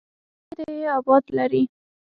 خداى دې يې اباد لري.